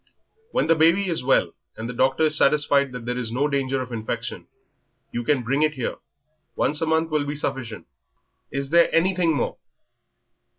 "When the baby is well, and the doctor is satisfied there is no danger of infection, you can bring it here once a month will be sufficient. Is there anything more?"